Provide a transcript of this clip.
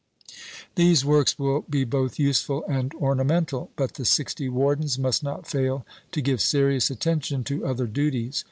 These works will be both useful and ornamental; but the sixty wardens must not fail to give serious attention to other duties.